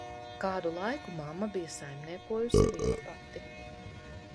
Kādu laiku mamma bij saimniekojusi viena pati.